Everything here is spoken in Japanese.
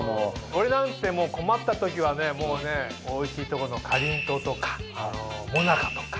俺なんてもう困った時はねおいしいとこのかりんとうとかもなかとか。